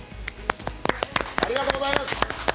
ありがとうございます。